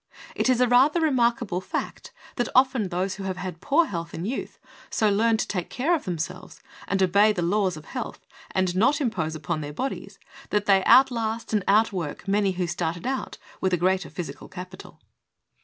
It is a rather remarkable fact that often those who have had poor health in youth so learn to take care of themselves and obey the laws of health and not impose upon their bodies, that they outlast and out work many who started out with a greater physical capital.